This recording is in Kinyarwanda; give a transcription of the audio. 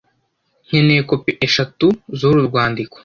Nkeneye kopi eshatu zuru rwandiko.